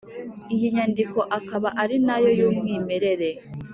iyi nyandiko akaba ari na yo y'umwimerere,